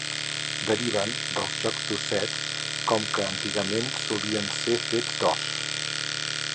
Deriven dels jocs d'ossets com que antigament solien ser fets d'os.